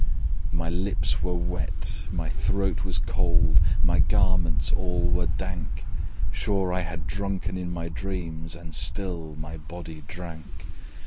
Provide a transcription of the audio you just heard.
My lips were wet, my throat was cold, My garments all were dank; Sure I had drunken in my dreams, And still my body drank.